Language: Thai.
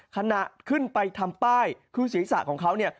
ขณะขึ้นไปทำป้ายคือศิษย์ศาสตร์ของเขาเนี่ย